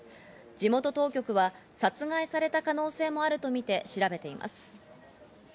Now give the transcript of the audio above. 地元当局は殺害された可能性もあるとみて調べています。